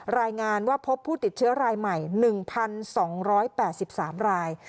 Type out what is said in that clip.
รายงานว่าพบผู้ติดเชื้อรายใหม่หนึ่งพันสองร้อยแปดสิบสามราย